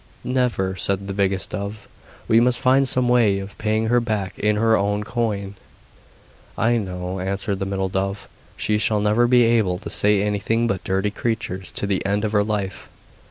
'Never,' said the biggest dove. 'We must find some way of paying her back in her own coin!' 'I know,' answered the middle dove; 'she shall never be able to say anything but "dirty creatures" to the end of her life.